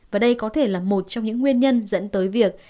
và đây có thể là một trong những nguyên nhân dẫn tới việc